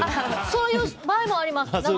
そういう場合もあります。